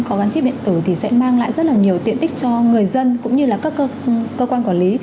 có gắn chip điện tử thì sẽ mang lại rất là nhiều tiện ích cho người dân cũng như là các cơ quan quản lý